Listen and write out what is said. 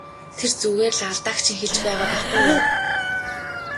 Тэр зүгээр л алдааг чинь хэлж байгаа байхгүй юу!